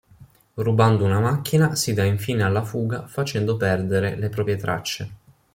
Rubando una macchina si da infine alla fuga facendo perdere le proprie tracce.